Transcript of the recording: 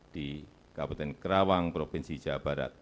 di kabupaten kerawang provinsi jawa barat